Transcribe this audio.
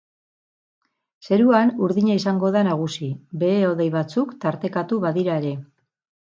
Zeruan urdina izango da nagusi, behe hodei batzuk tartekatu badira ere.